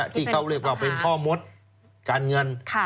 ที่เขาเรียกว่าเป็นพ่อมดการเงิน